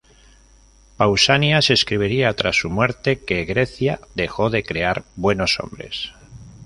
Pausanias escribiría tras su muerte que, "Grecia dejó de crear buenos hombres".